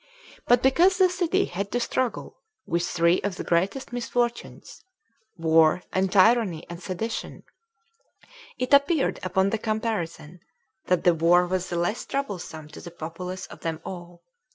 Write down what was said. But because the city had to struggle with three of the greatest misfortunes, war, and tyranny, and sedition, it appeared, upon the comparison, that the war was the least troublesome to the populace of them all.